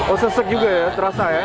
oh sesek juga ya terasa ya